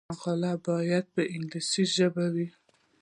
مقالې باید په انګلیسي ژبه وي.